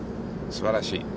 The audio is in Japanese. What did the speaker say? すばらしい。